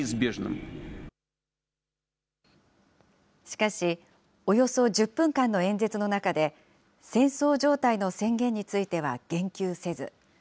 しかし、およそ１０分間の演説の中で、戦争状態の宣言については言及せず。